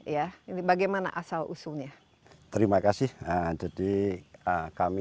ya ini bagaimana asal usulnya terima kasih jadi kami